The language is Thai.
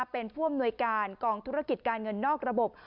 เป็นผู้อำนวยการกองธุรกิจการเงินนอกระบบ